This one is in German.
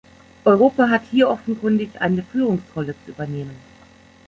Europa hat hier offenkundig eine Führungsrolle zu übernehmen.